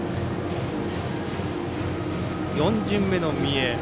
４巡目の三重。